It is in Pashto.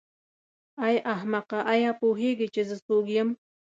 ای احمقه آیا پوهېږې چې زه څوک یم.